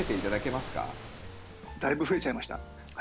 だいぶ増えちゃいました。